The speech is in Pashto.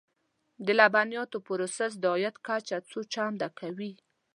د لبنیاتو پروسس د عاید کچه څو چنده کوي.